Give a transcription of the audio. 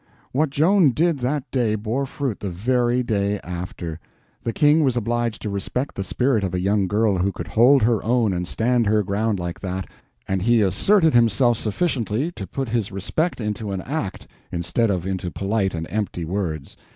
What Joan did that day bore fruit the very day after. The King was obliged to respect the spirit of a young girl who could hold her own and stand her ground like that, and he asserted himself sufficiently to put his respect into an act instead of into polite and empty words.